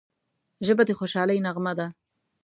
ژبه د خوشحالۍ نغمه ده